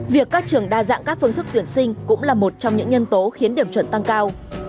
việc các trường đa dạng các phương thức tuyển sinh cũng là một trong những nhân tố khiến điểm chuẩn tăng cao